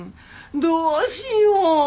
どうしよう。